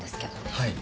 はい。